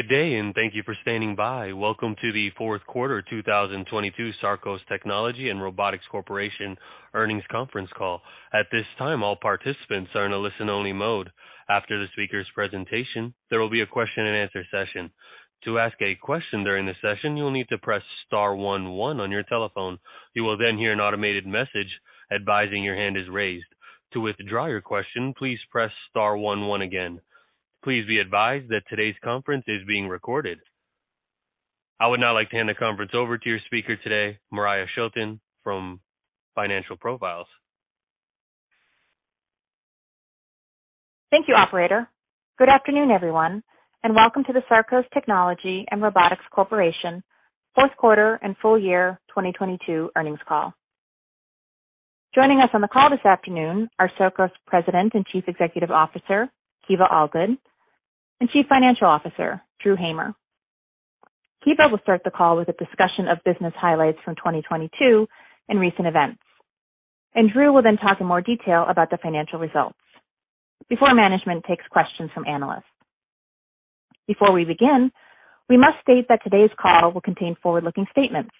Good day. Thank you for standing by. Welcome to the fourth quarter 2022 Sarcos Technology and Robotics Corporation earnings conference call. At this time, all participants are in a listen-only mode. After the speaker's presentation, there will be a question-and-answer session. To ask a question during the session, you'll need to press star one one on your telephone. You will hear an automated message advising your hand is raised. To withdraw your question, please press star one one again. Please be advised that today's conference is being recorded. I would now like to hand the conference over to your speaker today, Maria Shelton from Financial Profiles. Thank you, operator. Good afternoon, everyone, welcome to the Sarcos Technology and Robotics Corporation fourth quarter and full year 2022 earnings call. Joining us on the call this afternoon are Sarcos President and Chief Executive Officer, Kiva Allgood, and Chief Financial Officer, Drew Hamer. Kiva will start the call with a discussion of business highlights from 2022 and recent events, and Drew will then talk in more detail about the financial results before management takes questions from analysts. Before we begin, we must state that today's call will contain forward-looking statements,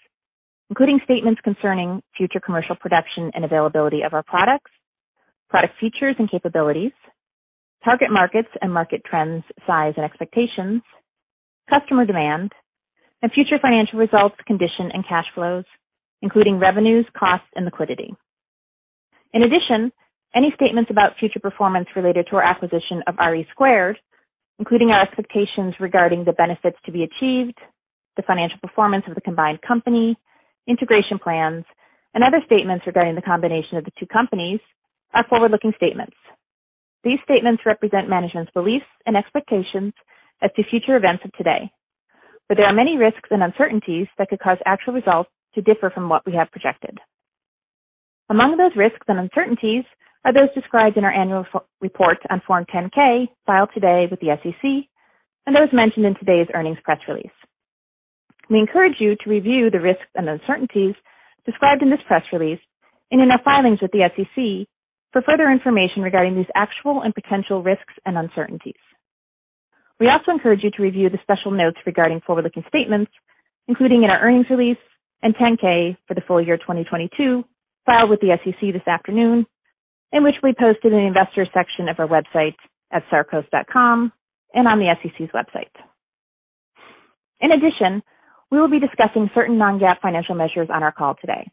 including statements concerning future commercial production and availability of our products, product features and capabilities, target markets and market trends, size and expectations, customer demand and future financial results, condition and cash flows, including revenues, costs, and liquidity. In addition, any statements about future performance related to our acquisition of RE2, including our expectations regarding the benefits to be achieved, the financial performance of the combined company, integration plans, and other statements regarding the combination of the two companies are forward-looking statements. These statements represent management's beliefs and expectations as to future events of today. There are many risks and uncertainties that could cause actual results to differ from what we have projected. Among those risks and uncertainties are those described in our annual report on Form 10-K filed today with the SEC and those mentioned in today's earnings press release. We encourage you to review the risks and uncertainties described in this press release and in our filings with the SEC for further information regarding these actual and potential risks and uncertainties. We also encourage you to review the special notes regarding forward-looking statements, including in our earnings release and 10-K for the full year 2022 filed with the SEC this afternoon, in which we posted an investor section of our website at sarcos.com and on the SEC's website. In addition, we will be discussing certain non-GAAP financial measures on our call today.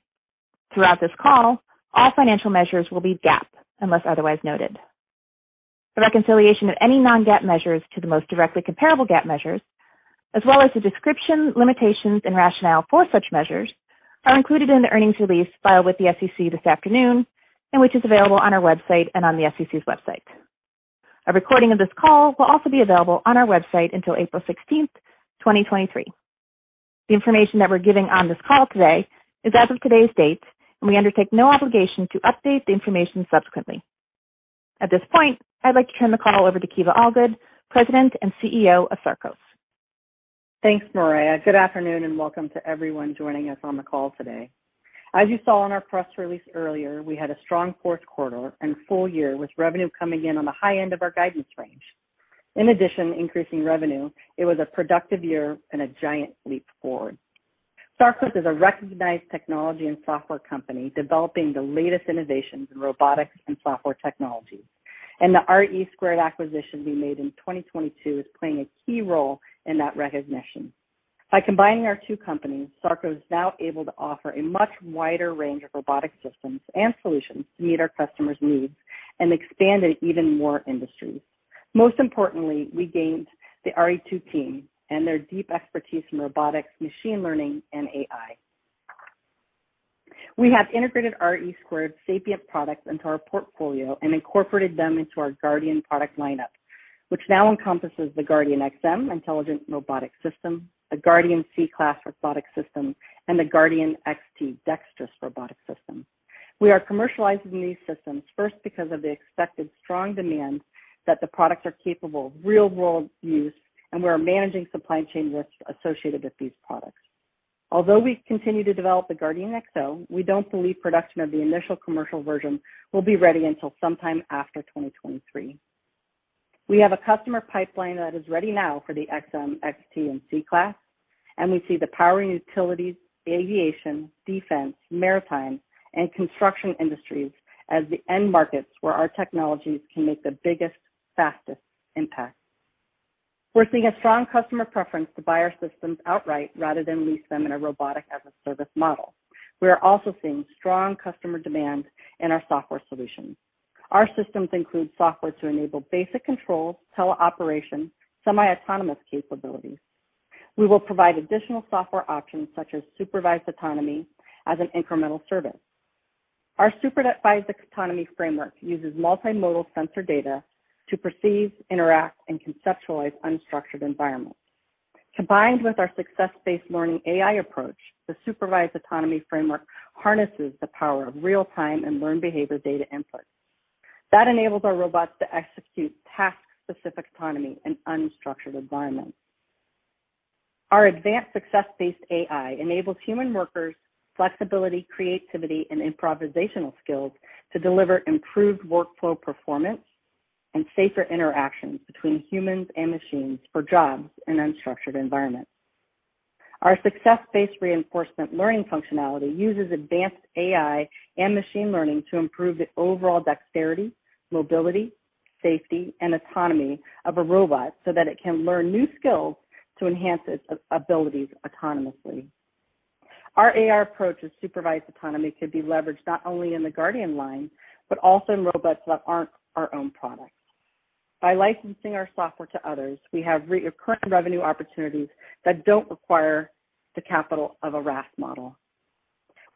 Throughout this call, all financial measures will be GAAP unless otherwise noted. The reconciliation of any non-GAAP measures to the most directly comparable GAAP measures, as well as the description, limitations, and rationale for such measures, are included in the earnings release filed with the SEC this afternoon and which is available on our website and on the SEC's website. A recording of this call will also be available on our website until April 16th, 2023. The information that we're giving on this call today is as of today's date, and we undertake no obligation to update the information subsequently. At this point, I'd like to turn the call over to Kiva Allgood, President and CEO of Sarcos. Thanks, Maria. Good afternoon, and welcome to everyone joining us on the call today. As you saw in our press release earlier, we had a strong fourth quarter and full year, with revenue coming in on the high end of our guidance range. In addition to increasing revenue, it was a productive year and a giant leap forward. Sarcos is a recognized technology and software company developing the latest innovations in robotics and software technologies, and the RE2 acquisition we made in 2022 is playing a key role in that recognition. By combining our two companies, Sarcos is now able to offer a much wider range of robotic systems and solutions to meet our customers' needs and expand to even more industries. Most importantly, we gained the RE2 team and their deep expertise in robotics, machine learning, and AI. We have integrated RE2 Sapien products into our portfolio and incorporated them into our Guardian product lineup, which now encompasses the Guardian XM intelligent robotic system, the Guardian Sea Class robotic system, and the Guardian XT dexterous robotic system. We are commercializing these systems first because of the expected strong demand that the products are capable of real-world use, and we are managing supply chain risks associated with these products. Although we continue to develop the Guardian XO, we don't believe production of the initial commercial version will be ready until sometime after 2023. We have a customer pipeline that is ready now for the XM, XT, and Sea Class, and we see the power and utilities, aviation, defense, maritime, and construction industries as the end markets where our technologies can make the biggest, fastest impact. We're seeing a strong customer preference to buy our systems outright rather than lease them in a Robot-as-a-Service model. We are also seeing strong customer demand in our software solutions. Our systems include software to enable basic controls, teleoperation, semi-autonomous capabilities. We will provide additional software options such as supervised autonomy as an incremental service. Our supervised autonomy framework uses multimodal sensor data to perceive, interact, and conceptualize unstructured environments. Combined with our success-based learning AI approach, the supervised autonomy framework harnesses the power of real-time and learned behavior data input. That enables our robots to execute task-specific autonomy in unstructured environments. Our advanced success-based AI enables human workers flexibility, creativity, and improvisational skills to deliver improved workflow performance and safer interactions between humans and machines for jobs in unstructured environments. Our success-based reinforcement learning functionality uses advanced AI and machine learning to improve the overall dexterity, mobility, safety, and autonomy of a robot so that it can learn new skills to enhance its abilities autonomously. Our AR approach to supervised autonomy could be leveraged not only in the Guardian line, but also in robots that aren't our own products. By licensing our software to others, we have recurring revenue opportunities that don't require the capital of a RaaS model.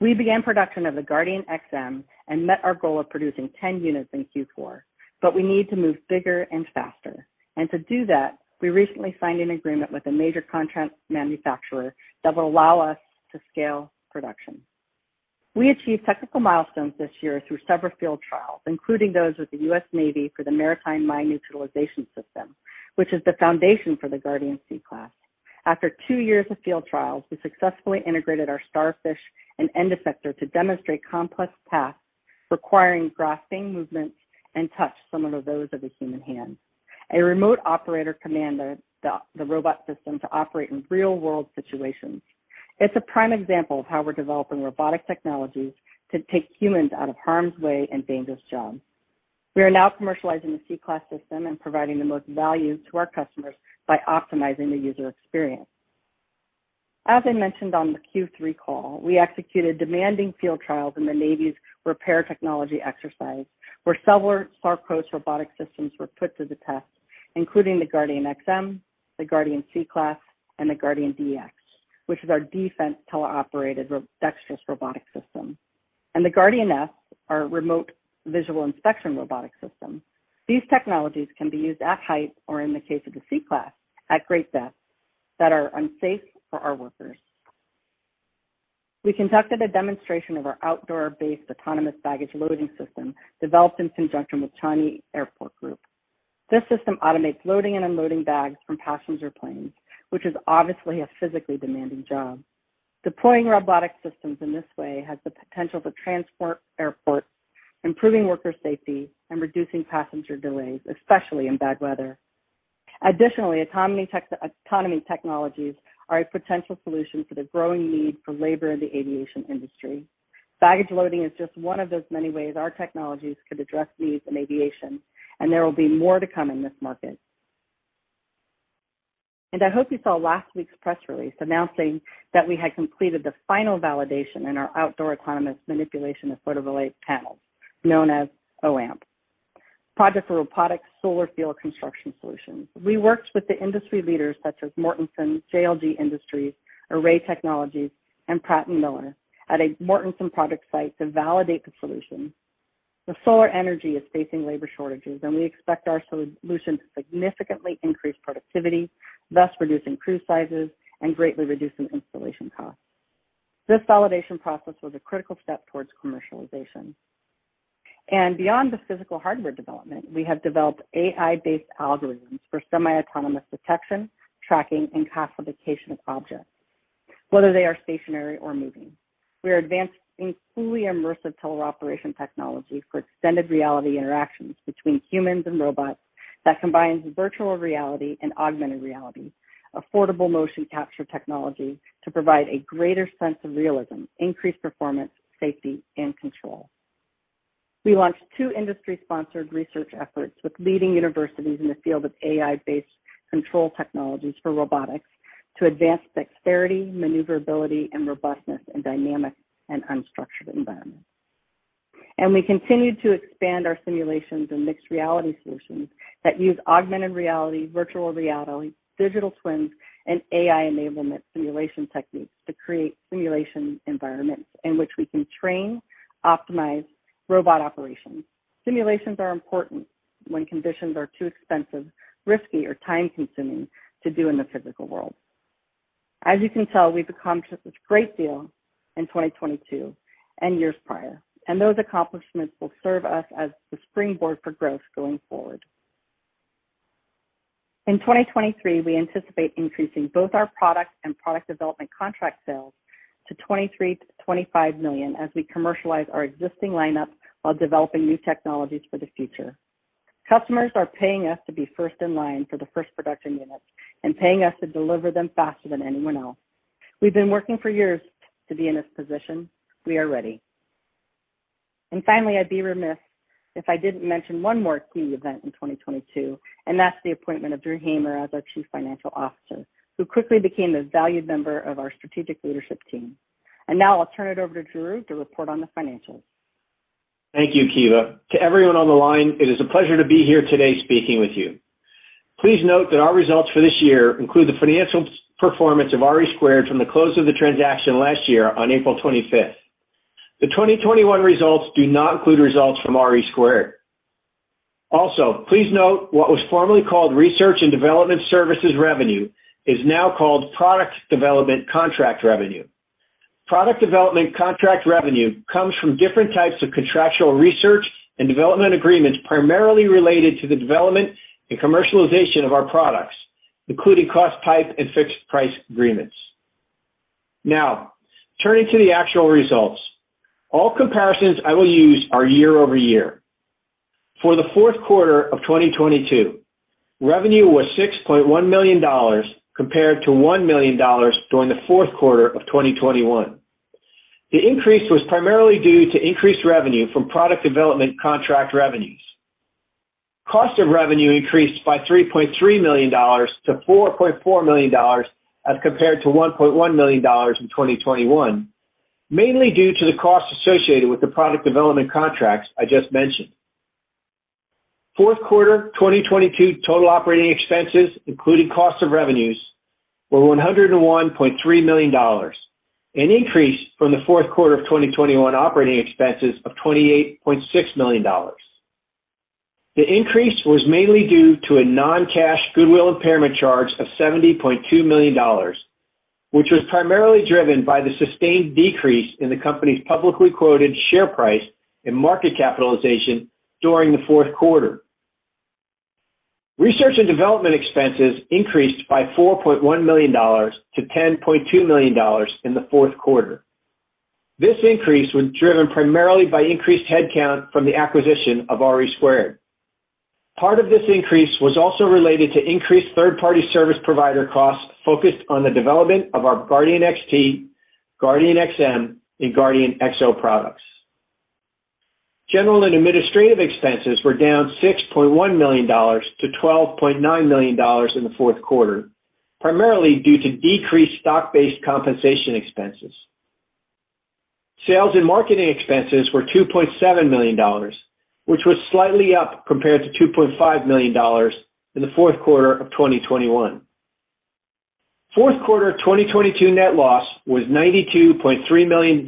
We began production of the Guardian XM and met our goal of producing 10 units in Q4, but we need to move bigger and faster. To do that, we recently signed an agreement with a major contract manufacturer that will allow us to scale production. We achieved technical milestones this year through several field trials, including those with the US Navy for the Maritime Mine Neutralization System, which is the foundation for the Guardian Sea Class. After two years of field trials, we successfully integrated our STARFISH and end effector to demonstrate complex tasks requiring grasping movements and touch similar to those of the human hand. A remote operator commanded the robot system to operate in real-world situations. It's a prime example of how we're developing robotic technologies to take humans out of harm's way and dangerous jobs. We are now commercializing the Sea Class system and providing the most value to our customers by optimizing the user experience. As I mentioned on the Q3 call, we executed demanding field trials in the Navy's repair technology exercise, where several Sarcos robotic systems were put to the test, including the Guardian XM, the Guardian Sea Class, and the Guardian DX, which is our defense teleoperated dexterous robotic system, and the Guardian S, our remote visual inspection robotic system. These technologies can be used at height or, in the case of the Sea Class, at great depths that are unsafe for our workers. We conducted a demonstration of our outdoor-based autonomous baggage loading system, developed in conjunction with Changi Airport Group. This system automates loading and unloading bags from passenger planes, which is obviously a physically demanding job. Deploying robotic systems in this way has the potential to transform airports, improving worker safety and reducing passenger delays, especially in bad weather. Additionally, autonomy technologies are a potential solution for the growing need for labor in the aviation industry. Baggage loading is just one of those many ways our technologies could address needs in aviation. There will be more to come in this market. I hope you saw last week's press release announcing that we had completed the final validation in our Outdoor Autonomous Manipulation of Photovoltaic Panels, known as O-AMPP, project for robotic solar field construction solutions. We worked with the industry leaders such as Mortenson, JLG Industries, Array Technologies, and Pratt Miller at a Mortenson project site to validate the solution. The solar energy is facing labor shortages. We expect our solution to significantly increase productivity, thus reducing crew sizes and greatly reducing installation costs. This validation process was a critical step towards commercialization. Beyond the physical hardware development, we have developed AI-based algorithms for semi-autonomous detection, tracking, and classification of objects, whether they are stationary or moving. We are advancing fully immersive teleoperation technology for extended reality interactions between humans and robots that combines virtual reality and augmented reality, affordable motion capture technology to provide a greater sense of realism, increased performance, safety, and control. We launched two industry-sponsored research efforts with leading universities in the field of AI-based control technologies for robotics to advance dexterity, maneuverability, and robustness in dynamic and unstructured environments. We continued to expand our simulations and mixed reality solutions that use augmented reality, virtual reality, digital twins, and AI enablement simulation techniques to create simulation environments in which we can train, optimize robot operations. Simulations are important when conditions are too expensive, risky, or time-consuming to do in the physical world. As you can tell, we've accomplished a great deal in 2022 and years prior. Those accomplishments will serve us as the springboard for growth going forward. In 2023, we anticipate increasing both our products and Product Development Contract sales to $23 million-$25 million as we commercialize our existing lineup while developing new technologies for the future. Customers are paying us to be first in line for the first production units and paying us to deliver them faster than anyone else. We've been working for years to be in this position. We are ready. Finally, I'd be remiss if I didn't mention one more key event in 2022, that's the appointment of Drew Hamer as our Chief Financial Officer, who quickly became a valued member of our strategic leadership team. Now I'll turn it over to Drew to report on the financials. Thank you, Kiva. To everyone on the line, it is a pleasure to be here today speaking with you. Please note that our results for this year include the financial performance of RE2 from the close of the transaction last year on April 25th. The 2021 results do not include results from RE2. Please note what was formerly called Research and Development Services Revenue is now called Product Development Contract Revenue. Product Development Contract Revenue comes from different types of contractual research and development agreements primarily related to the development and commercialization of our products, including cost type and fixed price agreements. Turning to the actual results. All comparisons I will use are year-over-year. For the fourth quarter of 2022, revenue was $6.1 million compared to $1 million during the fourth quarter of 2021. The increase was primarily due to increased revenue from Product Development Contract Revenues. Cost of revenue increased by $3.3 million to $4.4 million as compared to $1.1 million in 2021, mainly due to the costs associated with the Product Development Contracts I just mentioned. Fourth quarter 2022 total operating expenses, including cost of revenues, were $101.3 million, an increase from the fourth quarter of 2021 operating expenses of $28.6 million. The increase was mainly due to a non-cash goodwill impairment charge of $70.2 million, which was primarily driven by the sustained decrease in the company's publicly quoted share price and market capitalization during the fourth quarter. Research and development expenses increased by $4.1 million to $10.2 million in the fourth quarter. This increase was driven primarily by increased headcount from the acquisition of RE2. Part of this increase was also related to increased third-party service provider costs focused on the development of our Guardian XT, Guardian XM, and Guardian XO products. General and administrative expenses were down $6.1 million to $12.9 million in the fourth quarter, primarily due to decreased stock-based compensation expenses. Sales and marketing expenses were $2.7 million, which was slightly up compared to $2.5 million in the fourth quarter of 2021. Fourth quarter 2022 net loss was $92.3 million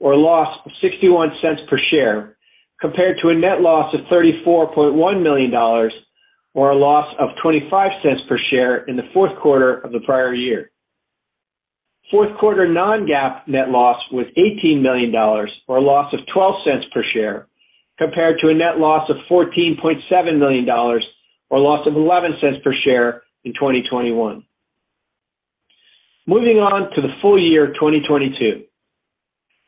or a loss of $0.61 per share, compared to a net loss of $34.1 million or a loss of $0.25 per share in the fourth quarter of the prior year. Fourth quarter non-GAAP net loss was $18 million or a loss of $0.12 per share, compared to a net loss of $14.7 million or a loss of $0.11 per share in 2021. Moving on to the full year 2022.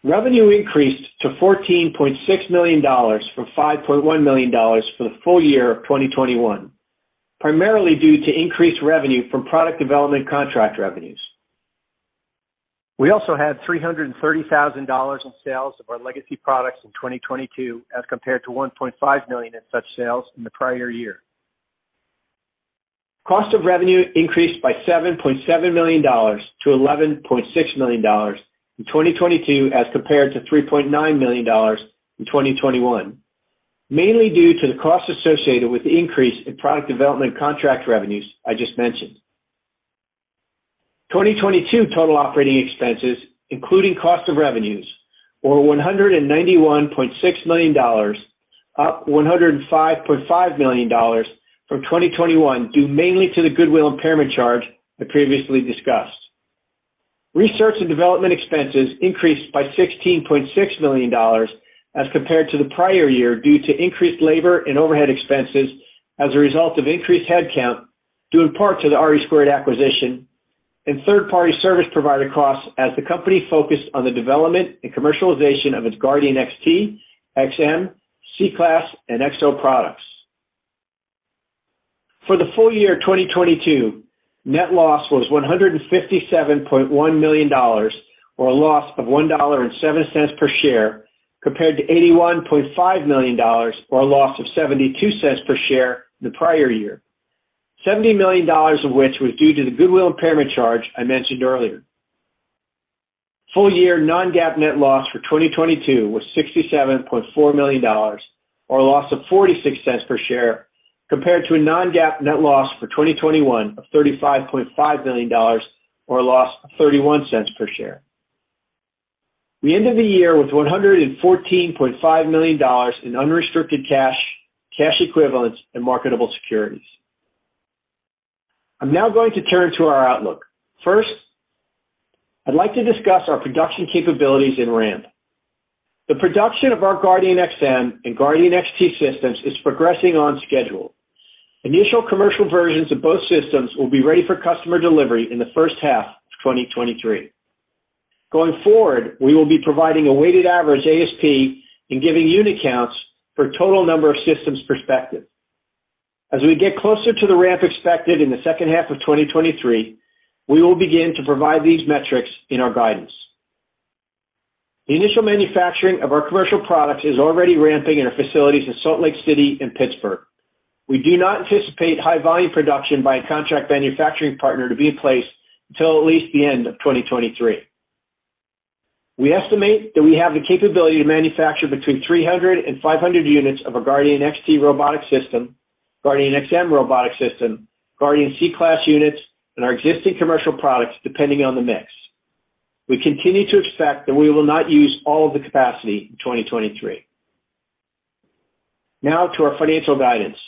Revenue increased to $14.6 million from $5.1 million for the full year of 2021, primarily due to increased revenue from Product Development Contract Revenue. We also had $330,000 in sales of our legacy products in 2022 as compared to $1.5 million in such sales in the prior year. Cost of revenue increased by $7.7 million to $11.6 million in 2022 as compared to $3.9 million in 2021, mainly due to the costs associated with the increase in Product Development Contract Revenues I just mentioned. 2022 total operating expenses, including cost of revenues, were $191.6 million, up $105.5 million from 2021 due mainly to the goodwill impairment charge I previously discussed. Research and development expenses increased by $16.6 million as compared to the prior year due to increased labor and overhead expenses as a result of increased headcount due in part to the RE2 acquisition and third-party service provider costs as the company focused on the development and commercialization of its Guardian XT, XM, Sea Class, and XO products. For the full year 2022, net loss was $157.1 million or a loss of $1.07 per share, compared to $81.5 million or a loss of $0.72 per share in the prior year, $70 million of which was due to the goodwill impairment charge I mentioned earlier. Full year non-GAAP net loss for 2022 was $67.4 million or a loss of $0.46 per share, compared to a non-GAAP net loss for 2021 of $35.5 million or a loss of $0.31 per share. We ended the year with $114.5 million in unrestricted cash equivalents, and marketable securities. I'm now going to turn to our outlook. First, I'd like to discuss our production capabilities in ramp. The production of our Guardian XM and Guardian XT systems is progressing on schedule. Initial commercial versions of both systems will be ready for customer delivery in the first half of 2023. Going forward, we will be providing a weighted average ASP and giving unit counts for total number of systems perspective. As we get closer to the ramp expected in the second half of 2023, we will begin to provide these metrics in our guidance. The initial manufacturing of our commercial products is already ramping in our facilities in Salt Lake City and Pittsburgh. We do not anticipate high volume production by a contract manufacturing partner to be in place until at least the end of 2023. We estimate that we have the capability to manufacture between 300 and 500 units of our Guardian XT robotic system, Guardian XM robotic system, Guardian Sea Class units, and our existing commercial products, depending on the mix. We continue to expect that we will not use all of the capacity in 2023. Now to our financial guidance.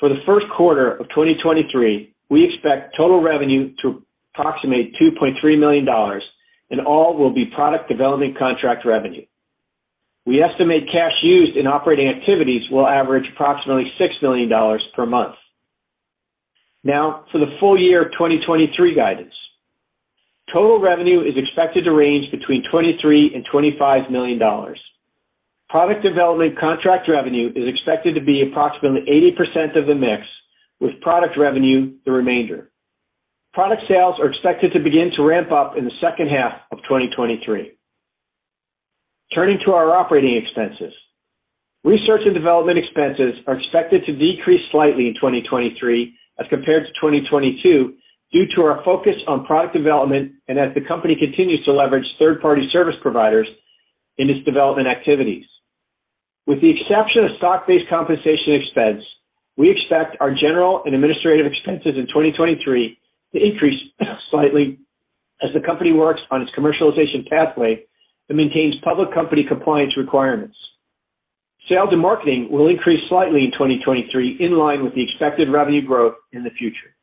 For the first quarter of 2023, we expect total revenue to approximate $2.3 million and all will be Product Development Contract Revenue. We estimate cash used in operating activities will average approximately $6 million per month. Now for the full year of 2023 guidance. Total revenue is expected to range between $23 million-$25 million. Product Development Contract Revenue is expected to be approximately 80% of the mix, with product revenue the remainder. Product sales are expected to begin to ramp up in the second half of 2023. Turning to our operating expenses. Research and development expenses are expected to decrease slightly in 2023 as compared to 2022 due to our focus on product development and as the company continues to leverage third-party service providers in its development activities. With the exception of stock-based compensation expense, we expect our general and administrative expenses in 2023 to increase slightly as the company works on its commercialization pathway and maintains public company compliance requirements. Sales and marketing will increase slightly in 2023 in line with the expected revenue growth in the future.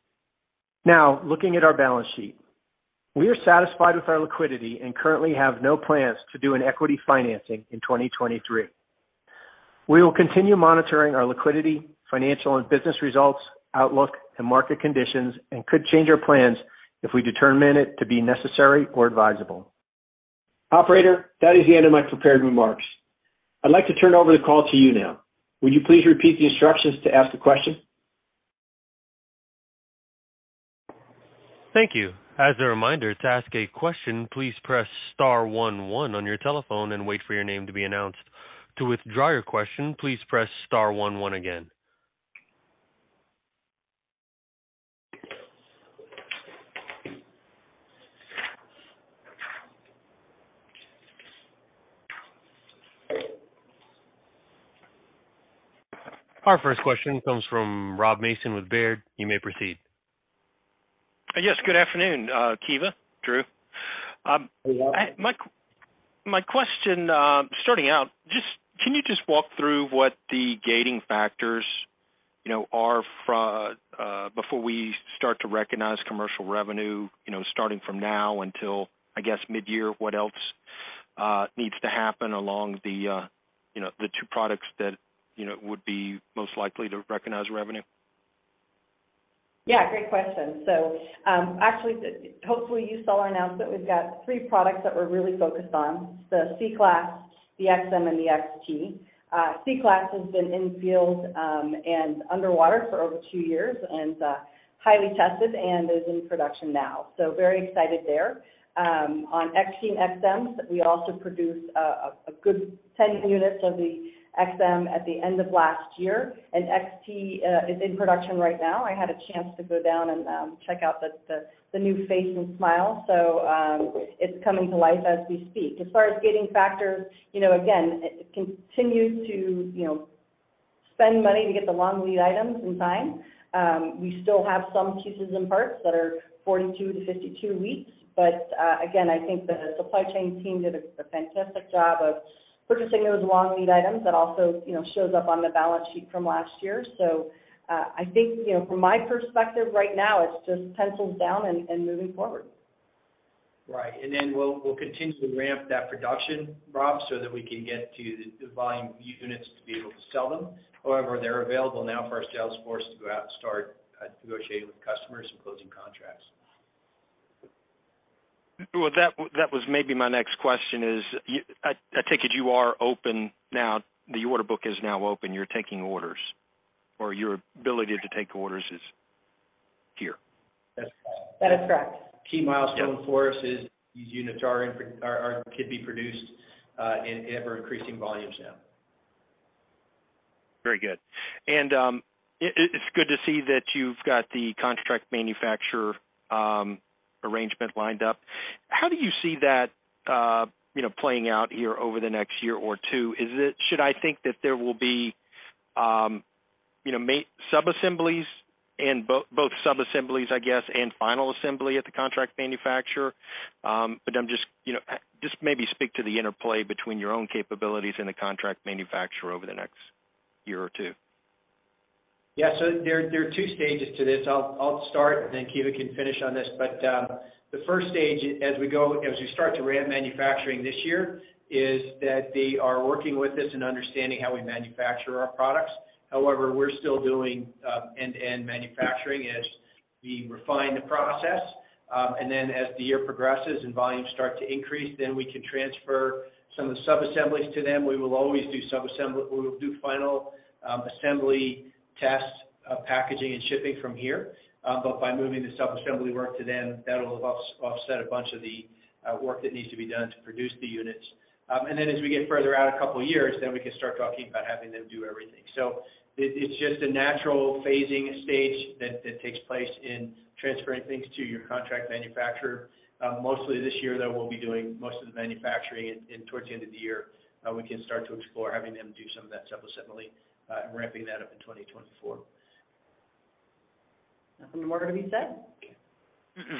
Looking at our balance sheet. We are satisfied with our liquidity and currently have no plans to do an equity financing in 2023. We will continue monitoring our liquidity, financial and business results, outlook, and market conditions and could change our plans if we determine it to be necessary or advisable. Operator, that is the end of my prepared remarks. I'd like to turn over the call to you now. Will you please repeat the instructions to ask a question? Thank you. As a reminder, to ask a question, please press star one one on your telephone and wait for your name to be announced. To withdraw your question, please press star one one again. Our first question comes from Rob Mason with Baird. You may proceed. Yes, good afternoon, Kiva, Drew. My question, starting out, can you just walk through what the gating factors, you know, are from before we start to recognize commercial revenue, you know, starting from now until, I guess, mid-year? What else needs to happen along the, you know, the two products that, you know, would be most likely to recognize revenue? Yeah, great question. Actually, hopefully, you saw our announcement. We've got three products that we're really focused on, the Sea Class, the XM, and the XT. Sea Class has been in field and underwater for over two years and highly tested and is in production now. Very excited there. On XT and XMs, we also produced a good 10 units of the XM at the end of last year, and XT is in production right now. I had a chance to go down and check out the new face and smile. It's coming to life as we speak. As far as gating factors, you know, again, it continues to, you know, spend money to get the long lead items in time. We still have some pieces and parts that are 42-52 weeks. Again, I think the supply chain team did a fantastic job of purchasing those long lead items that also, you know, shows up on the balance sheet from last year. I think, you know, from my perspective right now, it's just pencils down and moving forward. Right. Then we'll continue to ramp that production, Rob, so that we can get to the volume units to be able to sell them. However, they're available now for our sales force to go out and start negotiating with customers and closing contracts. Well, that was maybe my next question is I take it you are open now? The order book is now open. You're taking orders, or your ability to take orders is here. That's correct. That is correct. Key milestone for us is these units could be produced in ever-increasing volumes now. Very good. It's good to see that you've got the contract manufacturer arrangement lined up. How do you see that, you know, playing out here over the next year or two? Should I think that there will be, you know, subassemblies and both subassemblies I guess, and final assembly at the contract manufacturer? I'm just, you know, just maybe speak to the interplay between your own capabilities and the contract manufacturer over the next year or two. Yeah. There are two stages to this. I'll start, and then Kiva can finish on this. The first stage as we go, as we start to ramp manufacturing this year, is that they are working with us and understanding how we manufacture our products. However, we're still doing end-to-end manufacturing as we refine the process. As the year progresses and volumes start to increase, then we can transfer some of the subassemblies to them. We will always do subassembly, we will do final assembly tests, packaging and shipping from here. By moving the subassembly work to them, that'll offset a bunch of the work that needs to be done to produce the units. As we get further out two years, then we can start talking about having them do everything. It's just a natural phasing stage that takes place in transferring things to your contract manufacturer. Mostly this year, though, we'll be doing most of the manufacturing and towards the end of the year, we can start to explore having them do some of that subassembly and ramping that up in 2024. Nothing more to be said.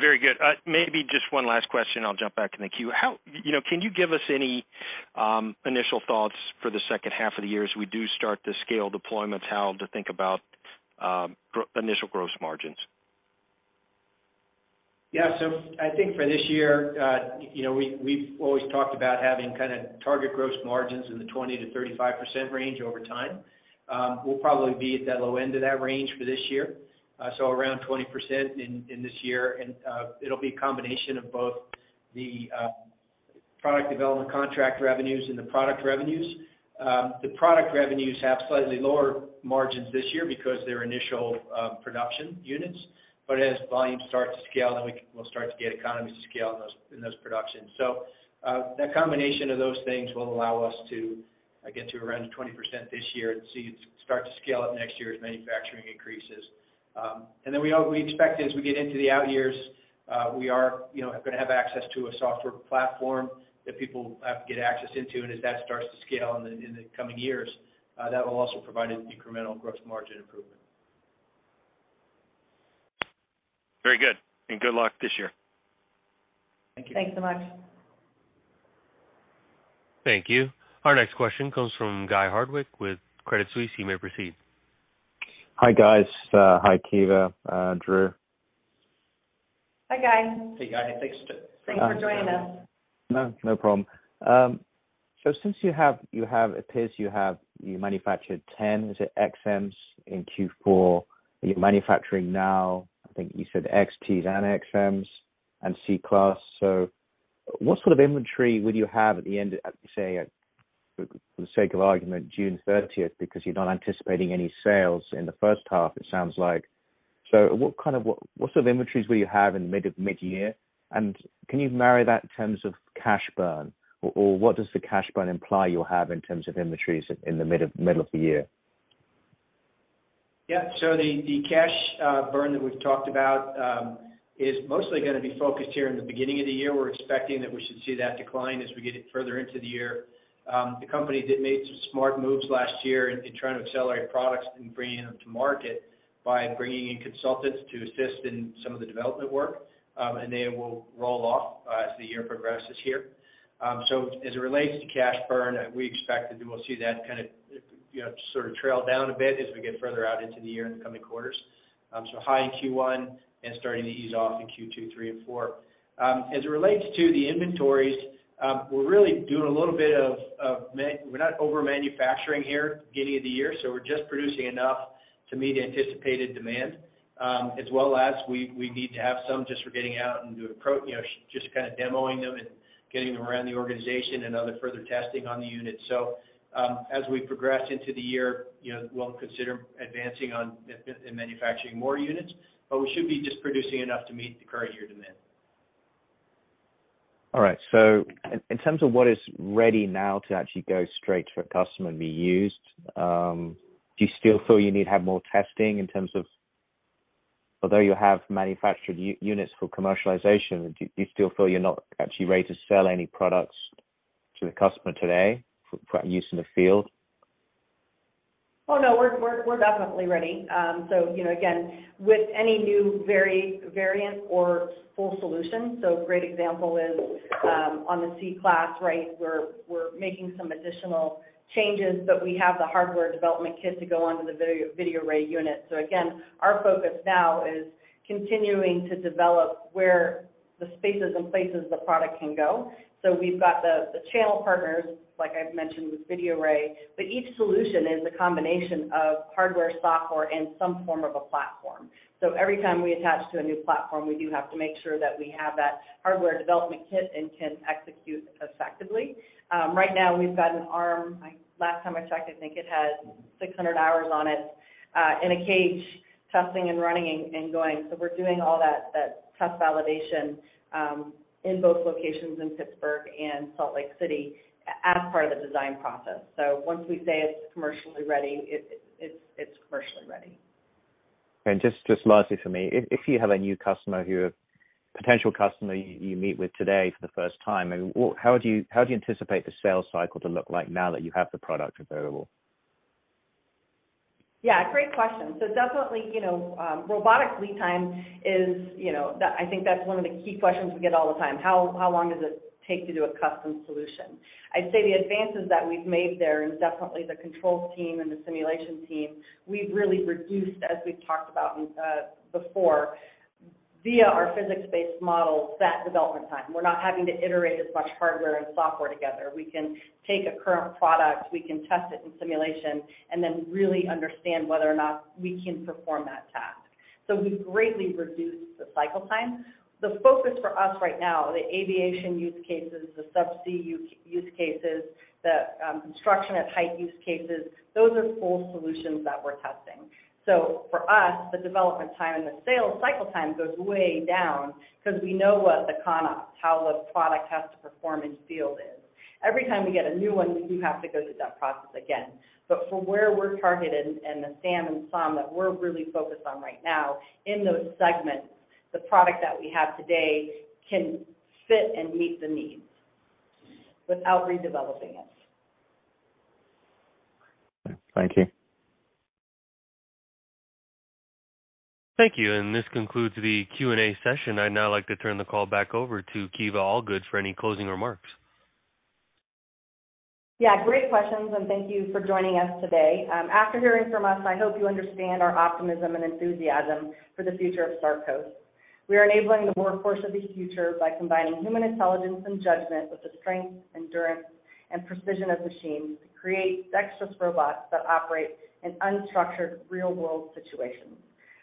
Very good. Maybe just one last question, I'll jump back in the queue. You know, can you give us any initial thoughts for the second half of the year as we do start to scale deployments, how to think about initial gross margins? Yeah. I think for this year, you know, we've always talked about having kind of target gross margins in the 20%-35% range over time. We'll probably be at that low end of that range for this year. Around 20% in this year. It'll be a combination of both the Product Development Contract Revenue and the product revenues. The product revenues have slightly lower margins this year because they're initial production units. As volumes start to scale, we'll start to get economies of scale in those productions. That combination of those things will allow us to get to around 20% this year and see it start to scale up next year as manufacturing increases. We expect as we get into the out years, we are, you know, gonna have access to a software platform that people have to get access into. As that starts to scale in the coming years, that will also provide an incremental gross margin improvement. Very good. Good luck this year. Thank you. Thanks so much. Thank you. Our next question comes from Guy Hardwick with Credit Suisse. You may proceed. Hi, guys. Hi, Kiva, Drew. Hi, Guy. Hey, Guy. Thanks for joining. Thanks for joining us. No, no problem. Since you have, it appears you have, you manufactured 10, is it XMs, in Q4, are you manufacturing now, I think you said XTs and XMs and Sea Class? What sort of inventory would you have at the end of, say, for the sake of argument, June 30th, because you're not anticipating any sales in the first half, it sounds like. What sort of inventories will you have in mid-year? Can you marry that in terms of cash burn? Or what does the cash burn imply you'll have in terms of inventories in the middle of the year? Yeah. The cash burn that we've talked about, is mostly gonna be focused here in the beginning of the year. We're expecting that we should see that decline as we get further into the year. The company did make some smart moves last year in trying to accelerate products and bringing them to market by bringing in consultants to assist in some of the development work, and they will roll off as the year progresses here. As it relates to cash burn, we expect that we will see that kind of, you know, sort of trail down a bit as we get further out into the year in the coming quarters. High in Q1 and starting to ease off in Q2, three and four. As it relates to the inventories, we're really doing a little bit of. We're not overmanufacturing here beginning of the year, so we're just producing enough to meet anticipated demand, as well as we need to have some just for getting out and do a, you know, just kind of demoing them and getting them around the organization and other further testing on the units. As we progress into the year, you know, we'll consider advancing on manufacturing more units, but we should be just producing enough to meet the current year demand. All right. In terms of what is ready now to actually go straight to a customer and be used, do you still feel you need to have more testing in terms of? Although you have manufactured units for commercialization, do you still feel you're not actually ready to sell any products to the customer today for use in the field? Oh, no, we're definitely ready. You know, again, with any new variant or full solution, a great example is on the Sea Class, right? We're making some additional changes, but we have the hardware development kit to go onto the VideoRay unit. Again, our focus now is continuing to develop where the spaces and places the product can go. We've got the channel partners, like I've mentioned, with VideoRay, but each solution is a combination of hardware, software, and some form of a platform. Every time we attach to a new platform, we do have to make sure that we have that hardware development kit and can execute effectively. Right now we've got an arm, like, last time I checked, I think it had 600 hours on it, in a cage testing and running and going. We're doing all that test validation in both locations in Pittsburgh and Salt Lake City as part of the design process. Once we say it's commercially ready, it's commercially ready. Just lastly for me. If you have a new customer potential customer you meet with today for the first time, I mean, how would you, how do you anticipate the sales cycle to look like now that you have the product available? Great question. Definitely, you know, robotic lead time is, you know, that I think that's one of the key questions we get all the time. How long does it take to do a custom solution? I'd say the advances that we've made there, and definitely the controls team and the simulation team, we've really reduced, as we've talked about before, via our physics-based models, that development time. We're not having to iterate as much hardware and software together. We can take a current product, we can test it in simulation, and then really understand whether or not we can perform that task. We've greatly reduced the cycle time. The focus for us right now, the aviation use cases, the subsea use cases, the construction at height use cases, those are full solutions that we're testing. For us, the development time and the sales cycle time goes way down because we know what the [canop], how the product has to perform in field is. Every time we get a new one, we do have to go through that process again. For where we're targeted and the SAM and SOM that we're really focused on right now in those segments, the product that we have today can fit and meet the needs without redeveloping it. Thank you. Thank you. This concludes the Q&A session. I'd now like to turn the call back over to Kiva Allgood for any closing remarks. Yeah, great questions, and thank you for joining us today. After hearing from us, I hope you understand our optimism and enthusiasm for the future of Sarcos. We are enabling the workforce of the future by combining human intelligence and judgment with the strength, endurance, and precision of machines to create dextrous robots that operate in unstructured real-world situations.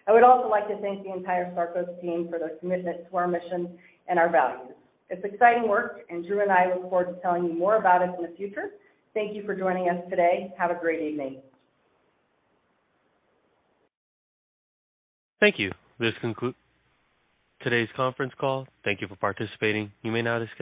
I would also like to thank the entire Sarcos team for their commitment to our mission and our values. It's exciting work, and Drew and I look forward to telling you more about it in the future. Thank you for joining us today. Have a great evening. Thank you. This concludes today's conference call. Thank you for participating. You may now disconnect.